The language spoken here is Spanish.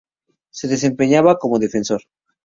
Se desempeñaba como defensor.